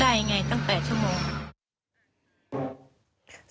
ได้ไงตั้งแต่ชั่วโมงได้ไงตั้งแต่ชั่วโมง